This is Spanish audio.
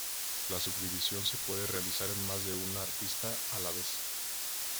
La subdivisión se puede realizar en más de una arista a la vez.